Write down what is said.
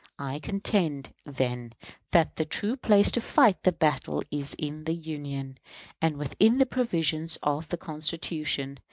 I contend, then, that the true place to fight the battle is in the Union, and within the provisions of the Constitution.